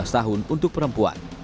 lima belas tahun untuk perempuan